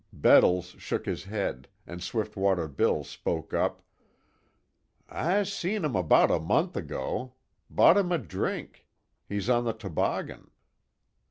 Bettles shook his head, and Swiftwater Bill spoke up: "I seen him about a month ago bought him a drink. He's on the toboggan."